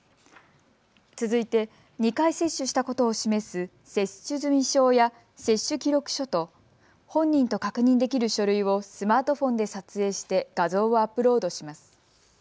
続いて２回接種したことを示す接種済証や接種記録書と本人と確認できる書類をスマートフォンで撮影して画像をアップロードします。